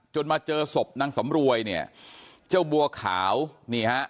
มาเจอศพนางสำรวยเนี่ยเจ้าบัวขาวนี่ฮะ